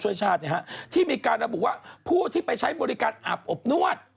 ชาติที่มีการระบุว่าผู้ที่ไปใช้บริการอาบอบนวด